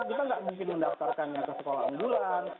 kita nggak mungkin mendaftarkannya ke sekolah unggulan